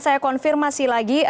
saya konfirmasi lagi